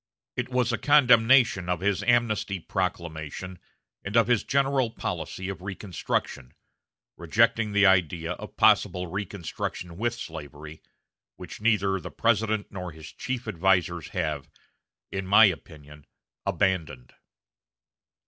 It was a condemnation of his amnesty proclamation and of his general policy of reconstruction, rejecting the idea of possible reconstruction with slavery, which neither the President nor his chief advisers have, in my opinion, abandoned."